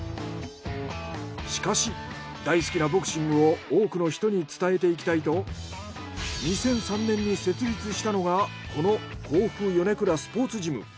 しかし大好きなボクシングを多くの人に伝えていきたいと２００３年に設立したのがこの甲府ヨネクラ・スポーツジム。